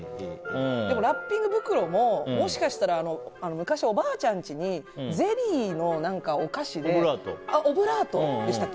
でもラッピング袋ももしかしたら昔おばあちゃんの家にゼリーのお菓子でオブラートでしたっけ。